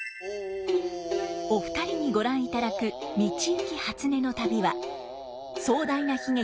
お二人にご覧いただく「道行初音旅」は壮大な悲劇